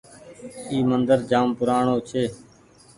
اي مندر جآم پورآڻي ڇي۔